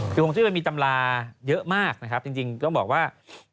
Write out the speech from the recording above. โพงจุ้ยมันมีตำราเยอะมากนะครับจริงต้องบอกว่า